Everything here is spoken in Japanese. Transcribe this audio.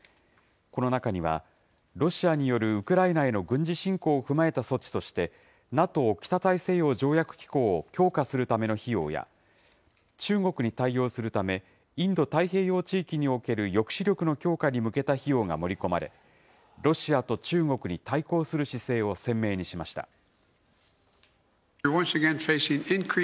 この中には、ロシアによるウクライナへの軍事侵攻を踏まえた措置として、ＮＡＴＯ・北大西洋条約機構を強化するための費用や、中国に対応するため、インド太平洋地域における抑止力の強化に向けた費用が盛り込まれ、ロシアと中国に対抗する姿勢を鮮明にしました。